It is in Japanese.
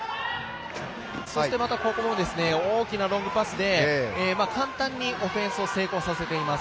またここも大きなロングパスで簡単にオフェンスを成功させています。